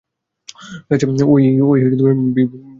ফ্যাসটস, ওই ডিভিয়েন্টটা মারা গেছে।